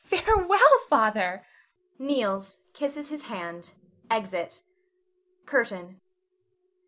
Farewell, Father! [Kneels, kisses his hand. Exit. CURTAIN.